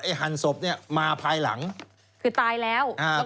ไอ้หันศพเนี่ยมาภายหลังคือตายแล้ว